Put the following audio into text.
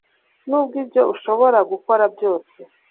nubwo ibyo ushobora gukora byose